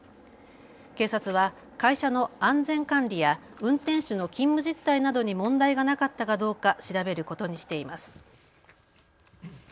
警察は会社の安全管理や運転手の勤務実態などに問題がなかったかどうか調べることにしています。